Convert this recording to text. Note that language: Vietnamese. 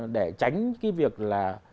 để tránh cái việc là